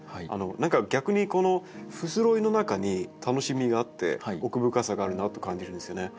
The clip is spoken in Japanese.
何か逆にこの不ぞろいの中に楽しみがあって奥深さがあるなと感じるんですよね。